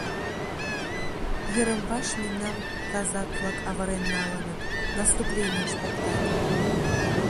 Йырым-ваш мемнам казак-влак авырен налыныт, наступленийыш поктат.